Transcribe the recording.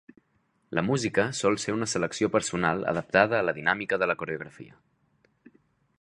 La música sol ser una selecció personal adaptada a la dinàmica de la coreografia.